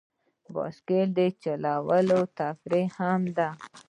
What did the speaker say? بایسکل چلول تفریح هم دی.